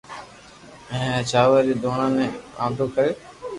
ھين اي چاور ري دوڻا ني آدو ڪريو